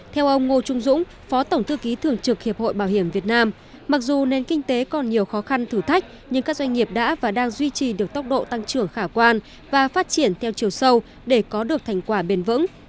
theo ông ngô trung dũng phó tổng thư ký thường trực hiệp hội bảo hiểm việt nam mặc dù nền kinh tế còn nhiều khó khăn thử thách nhưng các doanh nghiệp đã và đang duy trì được tốc độ tăng trưởng khả quan và phát triển theo chiều sâu để có được thành quả bền vững